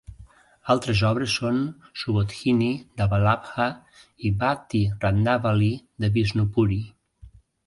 Altres obres són "Subodhini" de Vallabha i "Bhakti-ratnavali" de Visnupuri.